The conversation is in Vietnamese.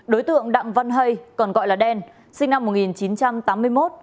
đối tượng đặng văn hay còn gọi là đen sinh năm một nghìn chín trăm tám mươi một